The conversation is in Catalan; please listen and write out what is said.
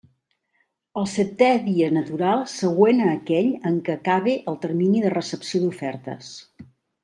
El seté dia natural següent a aquell en què acabe el termini de recepció d'ofertes.